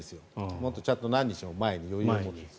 もっとちゃんと何日も前に余裕を持って。